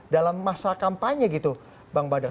dalam masa kampanye gitu bang badar